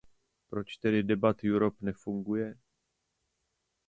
Proč tedy Debate Europe nefunguje?